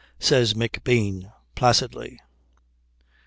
says McBean placidly.